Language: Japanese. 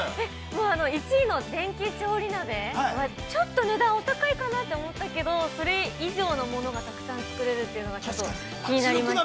◆一番の電気調理鍋は、ちょっと値段お高いかなと思ったけど、それ以上のものがたくさん作れるというのが、気になりましたね。